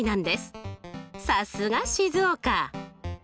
さすが静岡！